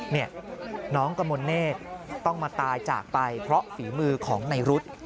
นี่น้องกมลเนธต้องมาตายจากไปเพราะฝีมือของในรุธ